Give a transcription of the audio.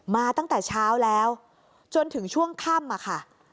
มาตั้งแต่เช้าแล้วจนถึงช่วงค่ำอะค่ะ